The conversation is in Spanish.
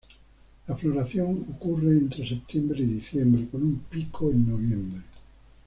La floración ocurre entre septiembre y diciembre, con un pico en noviembre.